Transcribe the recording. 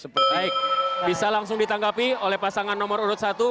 baik bisa langsung ditanggapi oleh pasangan nomor urut satu